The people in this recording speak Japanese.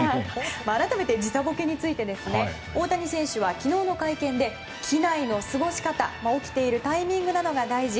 改めて時差ボケについて大谷選手は昨日の会見で、機内の過ごし方。起きているタイミングなどが大事。